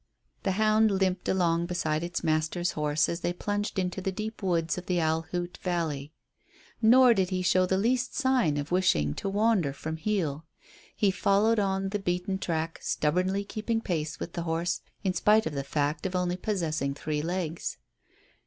The hound limped along beside its master's horse as they plunged into the deep woods of the Owl Hoot Valley. Nor did he show the least sign of wishing to wander from "heel." He followed on the beaten track, stubbornly keeping pace with the horse in spite of the fact of only possessing three legs.